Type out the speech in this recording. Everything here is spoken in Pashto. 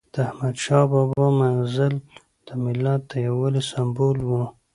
د احمد شاه بابا مزل د ملت د یووالي سمبول و.